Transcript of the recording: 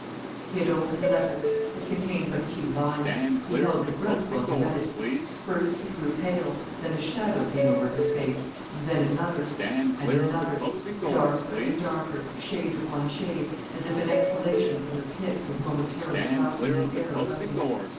He had opened the letter; it contained but a few lines: he held his breath while he read it. First he grew pale, then a shadow came over his face, and then another, and another, darker and darker, shade upon shade, as if an exhalation from the pit was momentarily blackening the air about him.